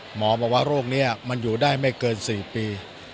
หมอบอกว่าโรคนี้มันอยู่ได้ไม่เกิน๔ปี